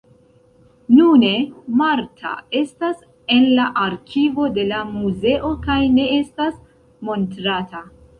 Nune, Martha estas en la arkivo de la muzeo kaj ne estas montrata.